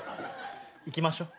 行きましょ。